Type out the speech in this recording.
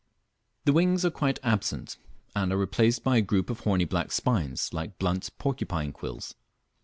The wings are quite absent, and are replaced by a group of horny black spines like blunt porcupine quills.